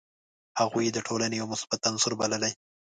هغوی یې د ټولني یو مثبت عنصر بللي.